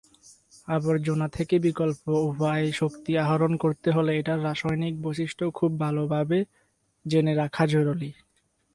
আবর্জনা থেকে বিকল্প উপায়ে শক্তি আহরণ করতে হলে এটার রাসায়নিক বৈশিষ্ট খুব ভালভাবে জেনে রাখা জরুরী।